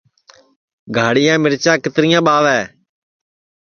گاڑِھیاں مِرچاں کِترِیاں ٻاہوے